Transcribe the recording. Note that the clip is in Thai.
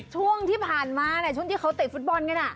ช่วงที่ผ่านมาช่วงที่เขาเตะฟุตบอลกัน